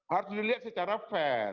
harus dilihat secara fair